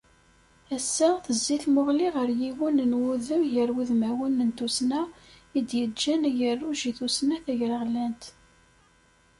Ass-a, tezzi tmuɣli ɣer yiwen n wudem gar wudmawen n tussna, i d-yeǧǧan agerruj i tussna tagraɣlant.